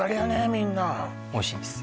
みんなおいしいんですよ